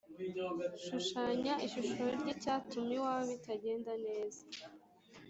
Shushanya ishusho ry’ icyatumaga iwawe bitagenda neza